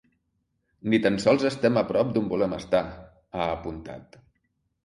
“Ni tan sols estem a prop d’on volem estar”, ha apuntat.